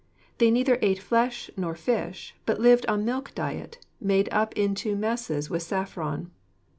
They neither ate flesh nor fish, but lived on milk diet, made up into messes with saffron.